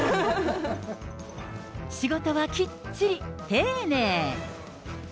仕事はきっちり、丁寧。